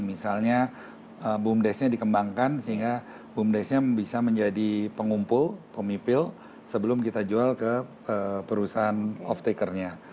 misalnya bumdes nya dikembangkan sehingga bumdes nya bisa menjadi pengumpul pemipil sebelum kita jual ke perusahaan off takernya